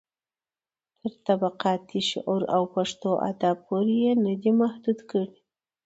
تر طبقاتي شعور او پښتو ادب پورې يې نه دي محدوې کړي.